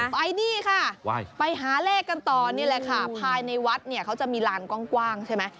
ไปนี่ค่ะไปหาเลขกันต่อนี่แหละค่ะภายในวัดเนี่ยเขาจะมีลานกว้างใช่ไหม